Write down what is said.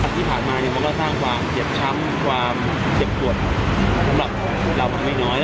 ที่ผ่านมามันก็สร้างความเจ็บช้ำความเจ็บปวดสำหรับเรามันไม่น้อย